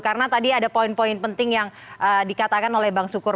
karena tadi ada poin poin penting yang dikatakan oleh bang sukur